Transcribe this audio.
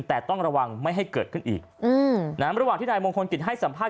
แต่ต้องระวังไม่ให้เกิดขึ้นอีกระหว่างที่นายมงคลกิจให้สัมภาษณ